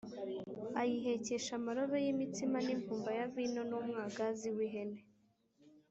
ayihekesha amarobe y’imitsima n’imvumba ya vino n’umwagazi w’ihene